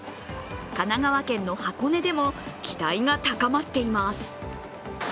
神奈川県の箱根でも期待が高まっています。